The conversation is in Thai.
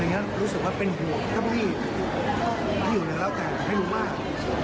รู้สึกว่าเป็นห่วงถ้าพี่อยู่ไหนแล้วแต่ไม่รู้มาก